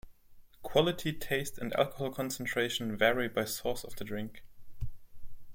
Quality, taste and alcohol concentration vary by source of the drink.